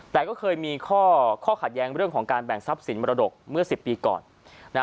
แต่มีเค้าขาดย้างการแบ่งทรัพย์สินมรดกสิบปีก่อน